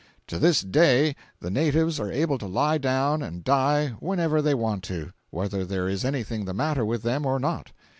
To this day the natives are able to lie down and die whenever they want to, whether there is anything the matter with them or not.